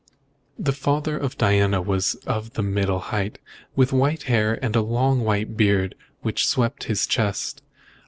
The father of Diana was of middle height, with white hair, and a long white beard which swept his chest.